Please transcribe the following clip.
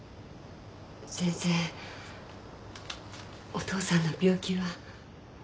お父さんの病気は？